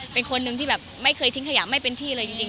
เป็นคนหนึ่งที่แบบไม่เคยทิ้งขยะไม่เป็นที่เลยจริง